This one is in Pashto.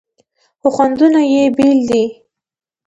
خو خوندونه یې بیل دي.